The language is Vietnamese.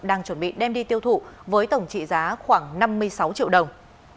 đang chuẩn bị đem đi tiêu thụ với tổng trị giá khoảng năm mươi sáu triệu đồng